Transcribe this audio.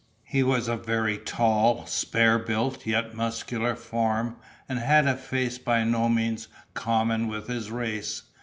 He was a very tall, spare built, yet muscular form, and had a face by no means common with his race.